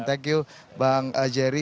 thank you bang jerry